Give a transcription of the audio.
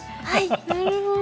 なるほど。